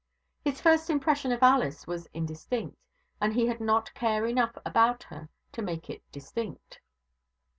His first impression of Alice was indistinct, and he did not care enough about her to make it distinct.